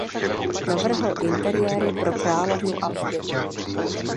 Navrhl interiéry pro královnu Alžbětu.